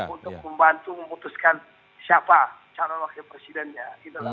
untuk membantu memutuskan siapa calon wakil presidennya